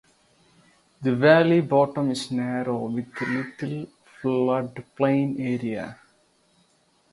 The valley bottom is narrow with little floodplain area.